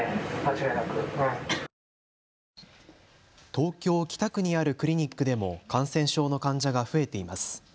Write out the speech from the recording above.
東京北区にあるクリニックでも感染症の患者が増えています。